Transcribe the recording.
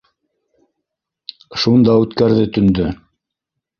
Шунда үткәрҙе төндө.